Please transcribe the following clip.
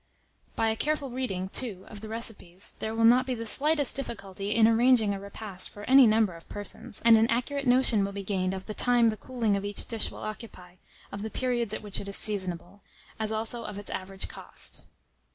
By a careful reading, too, of the recipes, there will not be the slightest difficulty in arranging a repast for any number of persons, and an accurate notion will be gained of the TIME the cooling of each dish will occupy, of the periods at which it is SEASONABLE, as also of its_ AVERAGE COST.